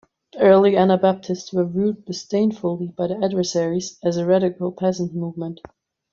Early Anabaptists were viewed disdainfully by their adversaries as a radical peasant movement.